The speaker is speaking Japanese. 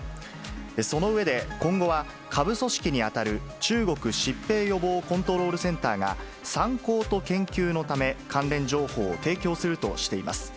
その上で、今後は下部組織に当たる中国疾病予防コントロールセンターが、参考と研究のため、関連情報を提供するとしています。